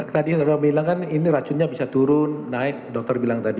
tadi saudara bilang kan ini racunnya bisa turun naik dokter bilang tadi